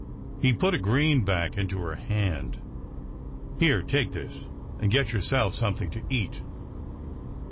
He put a greenback into her hand. '' Here, take this and get yourself something to eat."